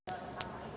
sudah dilakukan pak